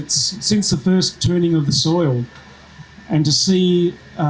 dan melihat fasilitas yang luar biasa